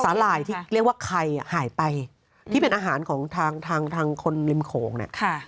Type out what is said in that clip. หร่ายที่เรียกว่าใครอ่ะหายไปที่เป็นอาหารของทางทางคนริมโขงเนี่ย